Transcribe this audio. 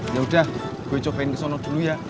yaudah gue cobain kesana dulu ya